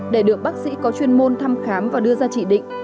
để được bác sĩ có chuyên môn thăm khám và đưa ra chỉ định